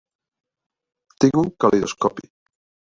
Tinc un calidoscopi.